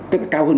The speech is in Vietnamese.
tức là cao hơn